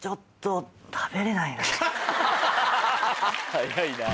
早いな。